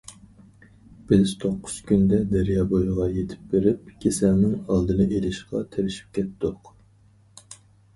بىز توققۇز كۈندە دەريا بويىغا يېتىپ بېرىپ كېسەلنىڭ ئالدىنى ئېلىشقا كىرىشىپ كەتتۇق.